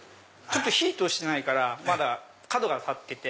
火通してないからまだ角が立ってて。